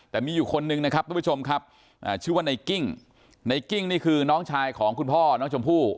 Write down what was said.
แต่มีอยู่คนนึงนะครับทุกผู้ชมครับชื่อว่าในกิ้งในกิ้งนี่คือน้องชายของคุณพ่อน้องชมพู่